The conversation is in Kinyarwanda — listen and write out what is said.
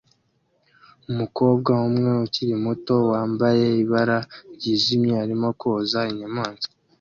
Umukobwa umwe ukiri muto wambaye ibara ryijimye arimo koza inyamaswa